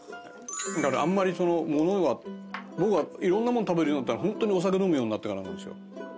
僕はいろんなもん食べるようになったのホントにお酒飲むようになってからなんですよ。